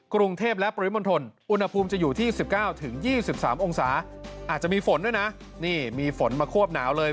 กรุงเทพและปริมณฑลอุณหภูมิจะอยู่ที่๑๙๒๓องศาอาจจะมีฝนด้วยนะนี่มีฝนมาควบหนาวเลย